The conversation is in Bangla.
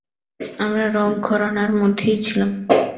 আমরা রক ঘরানার মধ্যেই ছিলাম।